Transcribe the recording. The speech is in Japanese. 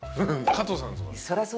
加藤さん？